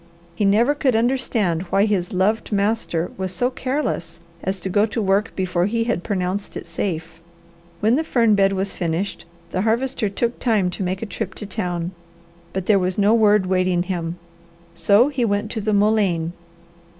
He never could understand why his loved master was so careless as to go to work before he had pronounced it safe. When the fern bed was finished, the Harvester took time to make a trip to town, but there was no word waiting him; so he went to the mullein.